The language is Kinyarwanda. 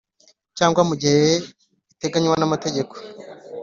cyangwa mu gihe biteganywa n amategeko